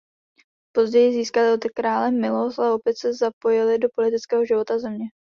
Později získali od krále milost a opět se zapojili do politického života země.